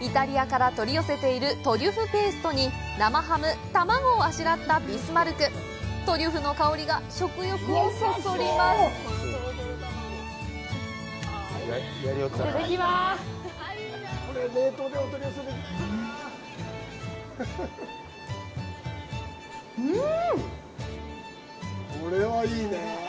イタリアから取り寄せているトリュフペーストに生ハム・卵をあしらったビスマルクトリュフの香りが食欲をそそりますいただきますうん！